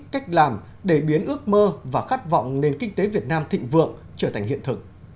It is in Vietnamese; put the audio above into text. cách làm để biến ước mơ và khát vọng nền kinh tế việt nam thịnh vượng trở thành hiện thực